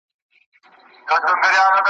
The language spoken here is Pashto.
سترګو ژړلي دي ژړلي دي سلګۍ نه لري `